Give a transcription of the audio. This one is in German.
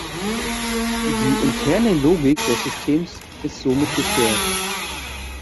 Die interne Logik des Systems ist somit gestört.